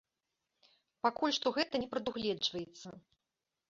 Пакуль што гэта не прадугледжваецца.